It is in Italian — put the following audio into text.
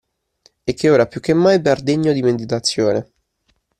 E che ora più che mai par degno di meditazione.